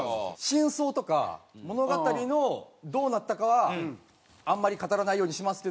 真相とか物語のどうなったかはあんまり語らないようにしますけども。